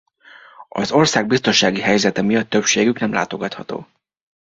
Az ország biztonsági helyzete miatt többségük nem látogatható.